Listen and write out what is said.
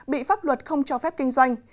bị pháp luật không cho phép kinh doanh